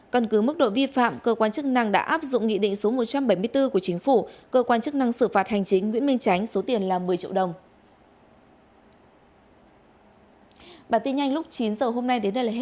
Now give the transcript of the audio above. căn cứ mức độ vi phạm cơ quan chức năng đã áp dụng nghị định số một trăm bảy mươi bốn của chính phủ cơ quan chức năng xử phạt hành chính nguyễn minh tránh số tiền là một mươi triệu đồng